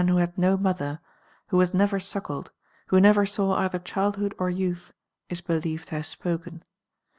0 had no niothe'", who was never suckled, who never sav/ either childhood or youth, is believed to have s])oken.